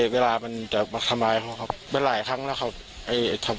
เวลามันจะทำอะไรครับไม่หลายครั้งแล้วคนทำนะครับ